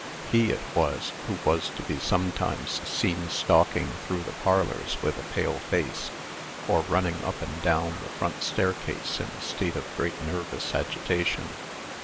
He it was who was to be sometimes seen stalking through the parlors with a pale face, or running up and down the front staircase in a state of great nervous agitation.